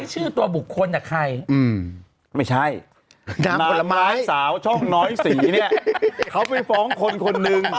ชื่อตัวบุคคลใครไม่ใช่ผลไม้สาวช่องน้อยสีเนี่ยเขาไปฟ้องคนคนหนึ่ง